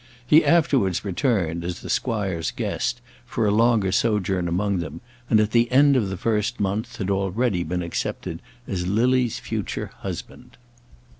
He afterwards returned, as the squire's guest, for a longer sojourn among them, and at the end of the first month had already been accepted as Lily's future husband.